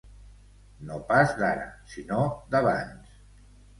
No pas d'ara, sinó d'abans.